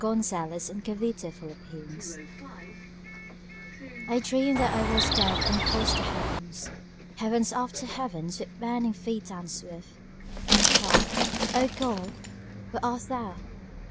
Helen Hunt Jackson A Dream I DREAMED that I ws dead and crossed the heavens, Heavens after heavens with burning feet and swift, And cried: "O God, where art Thou?"